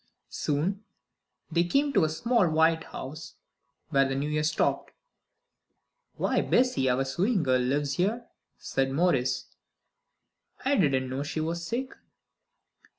Soon they came to a small white house, where the New Year stopped. "Why, Bessie, our sewing girl lives, here," said Maurice. "I didn't know she was sick."